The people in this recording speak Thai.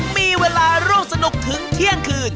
มีเวลาร่วมสนุกถึงเที่ยงคืน